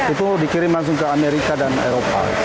itu dikirim langsung ke amerika dan eropa